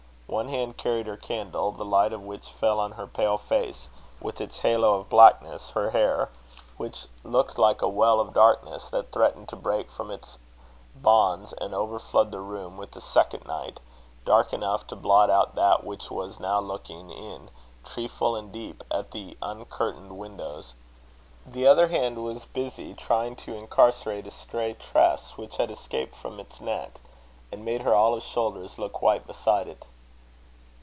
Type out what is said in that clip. One hand carried her candle, the light of which fell on her pale face, with its halo of blackness her hair, which looked like a well of darkness, that threatened to break from its bonds and overflood the room with a second night, dark enough to blot out that which was now looking in, treeful and deep, at the uncurtained windows. The other hand was busy trying to incarcerate a stray tress which had escaped from its net, and made her olive shoulders look white beside it.